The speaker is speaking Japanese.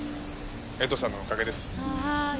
江藤さんのおかげです。